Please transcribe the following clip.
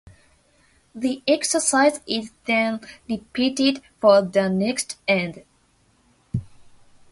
The exercise is then repeated for the next end.